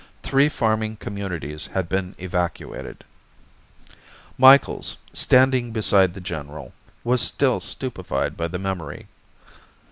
Three farming communities had been evacuated. Micheals, standing beside the general, was still stupefied by the memory.